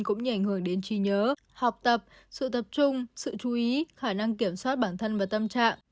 cũng như ảnh hưởng đến trí nhớ học tập sự tập trung sự chú ý khả năng kiểm soát bản thân và tâm trạng